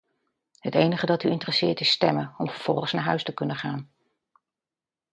Het enige dat u interesseert is stemmen, om vervolgens naar huis te kunnen gaan.